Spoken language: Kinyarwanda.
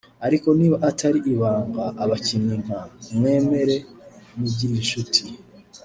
Ariko niba atari ibanga abakinnyi nka Mwemere Nigirinshuti